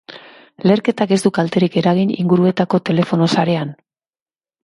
Leherketak ez du kalterik eragin inguruetako telefono-sarean.